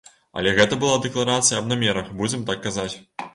Але гэта была дэкларацыя аб намерах, будзем так казаць.